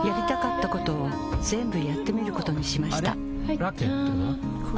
ラケットは？